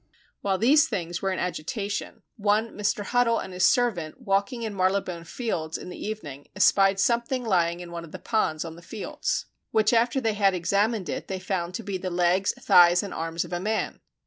While these things were in agitation, one Mr. Huddle and his servant walking in Marylebone Fields in the evening, espied something lying in one of the ponds in the fields, which after they had examined it they found to be the legs, thighs, and arms of a man.